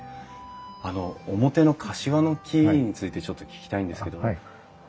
あの表のカシワの木についてちょっと聞きたいんですけど。